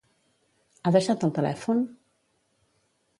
Ha deixat el telèfon?